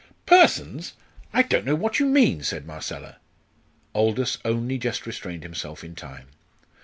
"Persons! I don't know what you mean!" said Marcella. Aldous only just restrained himself in time.